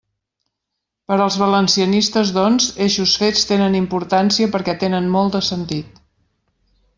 Per als valencianistes, doncs, eixos fets tenen importància perquè tenen molt de sentit.